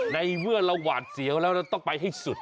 ในเมื่อเราหวาดเสียวแล้วเราต้องไปให้สุด